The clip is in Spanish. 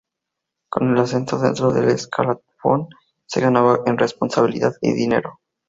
Con el ascenso dentro del escalafón, se ganaba en responsabilidad y dinero.